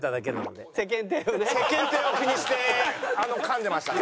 世間体を気にして噛んでましたね。